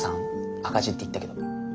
赤字って言ったけど。